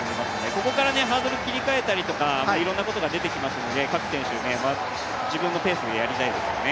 ここからハードル切り替えたりとか、いろんなことが出てきますので、各選手、自分のペースでやりたいですよね。